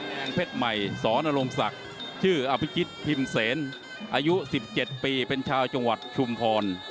งเพชรใหม่สอนรงศักดิ์ชื่ออภิกิตพิมพ์เสนอายุ๑๗ปีเป็นชาวจังหวัดชุมพร